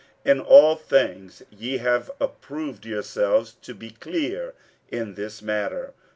In all things ye have approved yourselves to be clear in this matter.